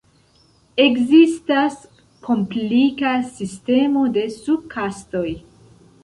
Ekzistas komplika sistemo de sub-kastoj.